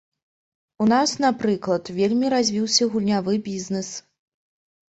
У нас, напрыклад, вельмі развіўся гульнявы бізнэс.